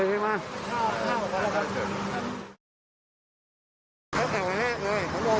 แล้วไปทำงานทุกวันหรือเปล่า